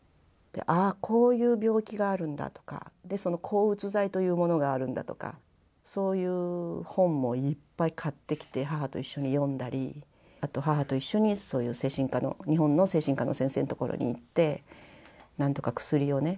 ああこういう病気があるんだとか抗うつ剤というものがあるんだとかそういう本もいっぱい買ってきて母と一緒に読んだりあと母と一緒にそういう日本の精神科の先生のところに行って何とか薬をね